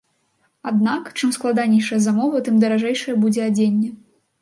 Аднак, чым складанейшая замова, тым даражэйшае будзе адзенне.